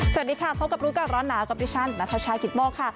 สวัสดีค่ะพบกับรู้ก่อนร้อนหนาวกับดิฉันนัทชายกิตโมกค่ะ